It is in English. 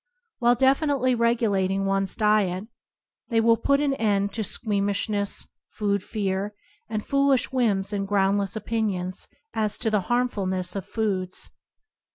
While definitely regulating one's diet, they will put an end to squeam ishness, food fear, and foolish whims and groundless opinions as to the harmfulness of foods.